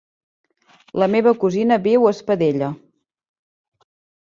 La meva cosina viu a Espadella.